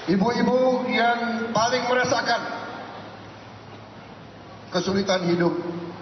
ibu ibu yang paling merasakan kesulitan hidup